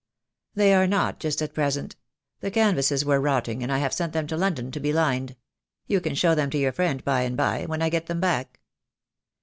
"They are not just at present. The canvases were rotting, and I have sent them to London to be lined. You can show them to your friend by and by, when I get them back."